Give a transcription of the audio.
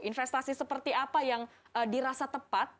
investasi seperti apa yang dirasa tepat